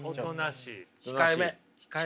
控えめ。